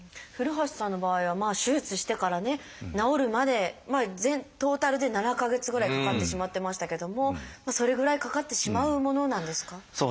古橋さんの場合は手術してからね治るまでトータルで７か月ぐらいかかってしまってましたけどもそれぐらいかかってしまうものなんですか？